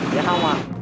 dạ không ạ